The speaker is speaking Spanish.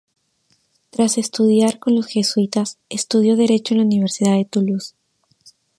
Tras estudiar con los jesuitas, estudió Derecho en la universidad de Toulouse.